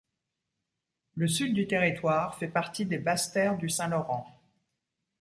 Le sud du territoire fait partie des basses terres du Saint-Laurent.